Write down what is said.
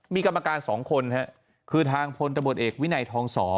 มีกรรมการสองคนคือทางพลตบตเอกวินัยทอง๒